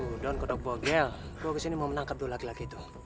sudah kodok bogel gue kesini mau menangkap dua laki laki